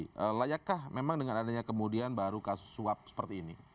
jadi layakkah memang dengan adanya kemudian baru kasus swab seperti ini